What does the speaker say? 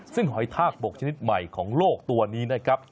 ซึ่งหอยทากบกชนิดใหม่ของโลกตัวนี้นะครับ